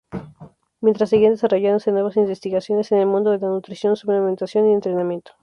Mientras, seguían desarrollándose nuevas investigaciones en el mundo de la nutrición, suplementación y entrenamiento.